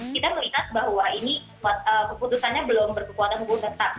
kita melihat bahwa ini keputusannya belum berkekuatan hukum tetap